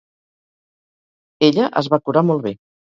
Ella es va curar molt bé.